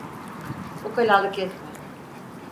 Ukalalık etme.